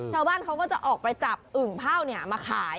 ชาวบ้านเขาก็จะออกไปจับอึ่งเผ่ามาขาย